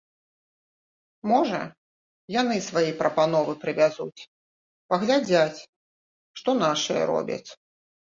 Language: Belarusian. Можа, яны свае прапановы прывязуць, паглядзяць, што нашыя робяць.